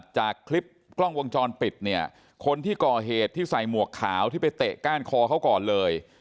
จากคลิปกล้องวงจรปิดเนี่ยคนที่ก่อเหตุที่ใส่หมวกขาวที่ไปเตะก้านคอเขาก่อนเลย